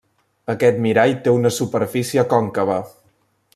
Aquest mirall té una superfície còncava.